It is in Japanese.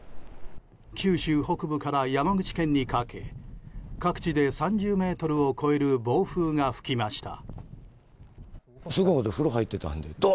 九州北部から山口県にかけ各地で３０メートルを超える暴風が吹きました。